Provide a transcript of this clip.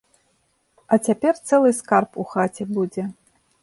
А цяпер цэлы скарб у хаце будзе.